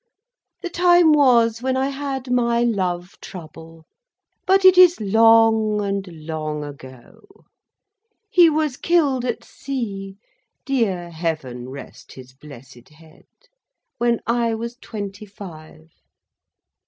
The time was when I had my love trouble, but, it is long and long ago. He was killed at sea (Dear Heaven rest his blessed head!) when I was twenty five.